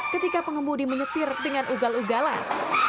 ketika pengemudi menyetir dengan ugal ugalan